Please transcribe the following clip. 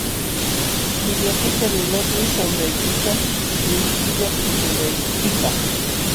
Millwapiqta lulakuy sawnaykita mishkilla puñunaykipaq.